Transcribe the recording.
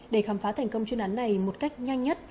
để khám phá thành công chuyên án này một cách nhanh nhất